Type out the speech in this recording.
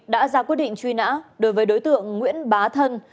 đã ra quyết định truy nã đối với đối tượng nguyễn bá thân